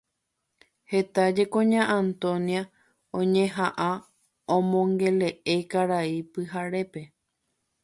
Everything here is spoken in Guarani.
Heta jeko Ña Antonia oñeha'ã omongele'e Karai Pyharépe.